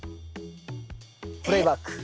プレイバック。